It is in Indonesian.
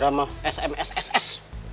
irah mah sms ss